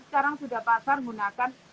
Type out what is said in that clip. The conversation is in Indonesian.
sekarang sudah pasar menggunakan